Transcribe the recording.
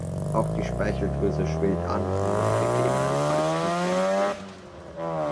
Auch die Speicheldrüse schwillt an und muss gegebenenfalls entfernt werden.